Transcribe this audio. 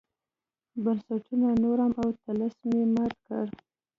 بنسټونو نورم او طلسم یې مات کړ.